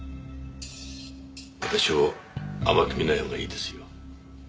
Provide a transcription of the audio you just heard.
私を甘く見ないほうがいいですよ。